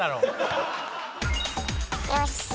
よし。